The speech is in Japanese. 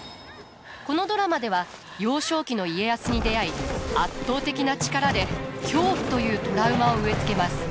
このドラマでは幼少期の家康に出会い圧倒的な力で恐怖というトラウマを植え付けます。